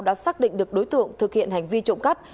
đã xác định được đối tượng thực hiện hành vi trộm cắp